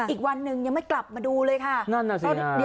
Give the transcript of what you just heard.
อีกวันหนึ่งยังไม่กลับมาดูเลยค่ะ